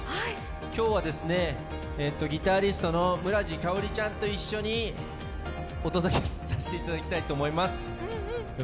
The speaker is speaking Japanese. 今日はギタリストの村治佳織ちゃんと一緒にお届けさせていただきたいと思います。